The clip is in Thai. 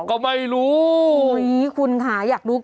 ก็ไม่รู้